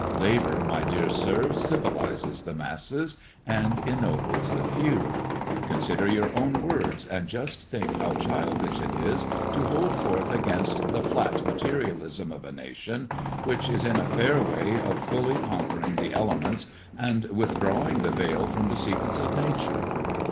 Labour, my dear Sir, civilizes the masses and ennobles the few. Consider your own words, and just think how childish it is to hold forth against the 'flat materialism' of a nation which is in a fair way of fully conquering the elements and withdrawing the veil from the secrets of nature!